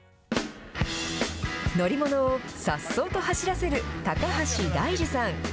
乗り物をさっそうと走らせる高橋大就さん。